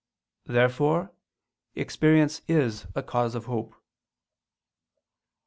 Therefore experience is a cause of hope.